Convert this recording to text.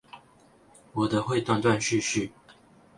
我的會斷斷續續